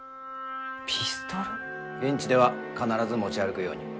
現地では必ず持ち歩くように。